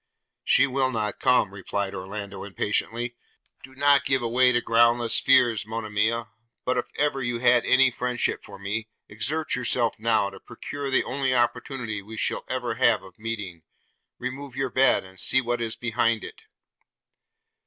'She will not come,' replied Orlando impatiently: 'do not give way to groundless fears, Monimia; but, if ever you had any friendship for me, exert yourself now, to procure the only opportunity we shall ever have of meeting – remove your bed, and see what is behind it.'